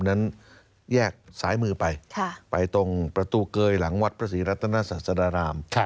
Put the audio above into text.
นั้นแยกซ้ายมือไปไปตรงประตูเกยหลังวัดพระศรีรัตนศาสดาราม